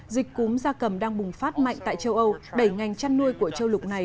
dịch cúm da cầm đang bùng phát mạnh tại châu âu đẩy ngành chăn nuôi của châu lục này